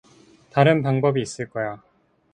다른 방법이 있을 거야.